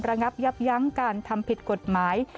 ระงับยับยั้งการทำผิดกฎหมาย